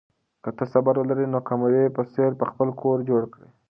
که ته صبر ولرې نو د قمرۍ په څېر به خپل کور جوړ کړې.